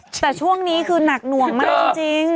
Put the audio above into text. แต่ช่วงนี้คือหนักหน่วงมากจริง